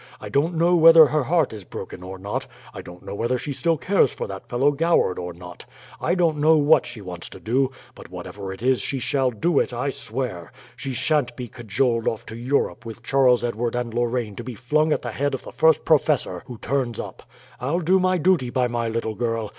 I don't know whether her heart is broken or not. I don't know whether she still cares for that fellow Goward or not. I don't know what she wants to do but whatever it is she shall do it, I swear. She sha'n't be cajoled off to Europe with Charles Edward and Lorraine to be flung at the head of the first professor who turns up. I'll do my duty by my little girl.